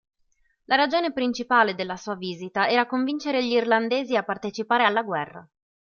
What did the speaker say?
La ragione principale della sua visita era convincere gli irlandesi a partecipare alla guerra.